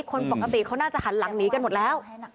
คนปกติเขาน่าจะหันหลังหนีกันหมดแล้ว